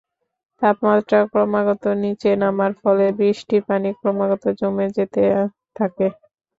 তাপমাত্রা ক্রমাগত নিচে নামার ফলে বৃষ্টির পানি ক্রমাগত জমে যেতে থাকে।